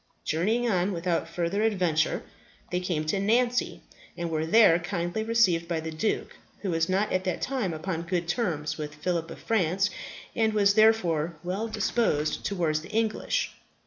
Journeying on without further adventure, they came to Nancy, and were there kindly received by the duke, who was not at that time upon good terms with Phillip of France, and was therefore well disposed towards the English.